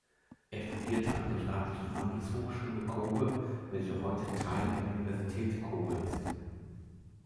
Er studierte an der staatlichen Handelshochschule Kōbe welche heute Teil der Universität Kōbe ist.